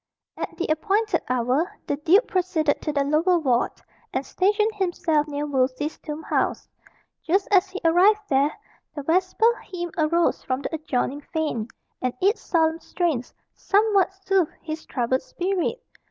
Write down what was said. At the appointed hour the duke proceeded to the lower ward, and stationed himself near Wolsey's tomb house. Just as he arrived there, the vesper hymn arose from the adjoining fane, and its solemn strains somewhat soothed his troubled spirit.